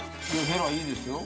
ヘラいいですよ。